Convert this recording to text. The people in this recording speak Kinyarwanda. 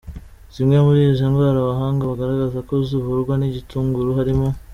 Zimwe muri izi ndwara abahanga bagaragaza ko zivurwa n’igitunguru harimo:.